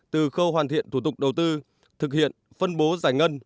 từ khâu hoàn thiện thủ tục đầu tư thực hiện phân bố giải ngân